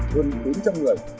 gần bốn trăm linh người